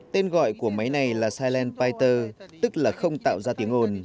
tên gọi của máy này là silent piter tức là không tạo ra tiếng ồn